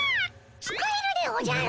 使えるでおじゃる。